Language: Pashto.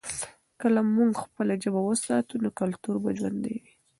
که موږ خپله ژبه وساتو، نو کلتور به ژوندی وي.